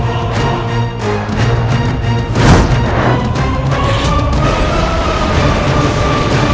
aku pasti bisa membunuh seliwa